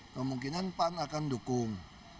kemungkinan pan akan dukung